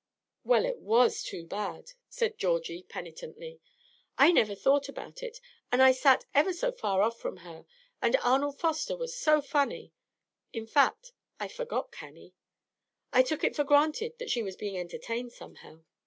"Well, it was too bad," said Georgie, penitently. "I never thought about it, and I sat ever so far off from her, and Arnold Foster was so funny in fact, I forgot Cannie. I took it for granted that she was being entertained, somehow."